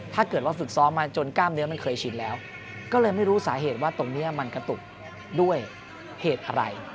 ถ้าเกิดว่าฝึกซ้อมมาจนกล้ามเนื้อมันเคยชินแล้วก็เลยไม่รู้สาเหตุว่าตรงนี้มันกระตุกด้วยเหตุอะไร